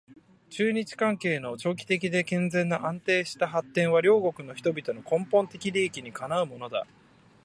中日関係の長期的で健全な安定した発展は両国の人々の根本的利益にかなうものだ